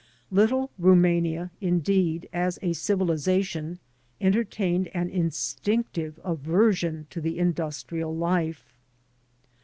Little Rumania, indeed, as a civilization, entertained an instinctive aversion to the industrial life.